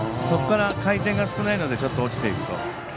そこから、回転が少ないのでちょっと落ちていくと。